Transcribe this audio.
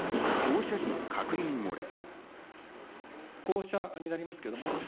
まずは降車時の確認漏れ。